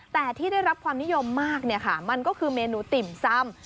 แต่ที่ได้รับความนิยมมากเนี่ยค่ะมันก็คือเมนูติ่มซ่ำ